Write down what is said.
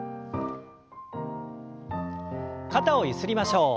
肩をゆすりましょう。